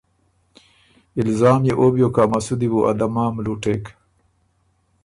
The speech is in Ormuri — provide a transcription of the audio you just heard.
الزام يې او بیوک که ا مسودی بو ا دمام لُوټېک۔